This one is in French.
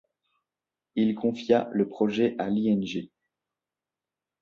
Il confia le projet à l'Ing.